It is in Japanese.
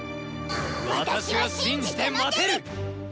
私は信じて待てる！